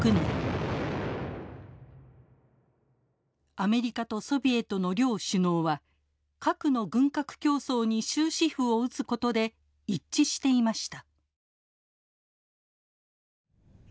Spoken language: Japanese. アメリカとソビエトの両首脳は核の軍拡競争に終止符を打つことで一致していました。